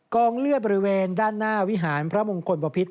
งเลือดบริเวณด้านหน้าวิหารพระมงคลบพิษ